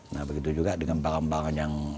nah begitu juga dengan barang barang yang